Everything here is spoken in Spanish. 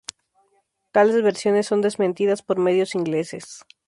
Tales versiones son desmentidas por medios ingleses.